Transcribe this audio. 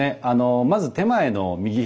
まず点前の右左